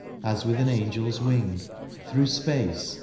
As with an angePs wing, through space.